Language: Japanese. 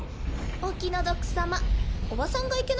お気の毒さま